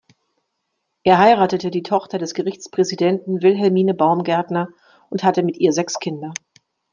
Er heiratete die Tochter des Gerichtspräsidenten Wilhelmine Baumgärtner und hatte mit ihr sechs Kinder.